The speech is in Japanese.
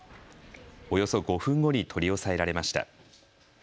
およそ５分後に取り押さえられました。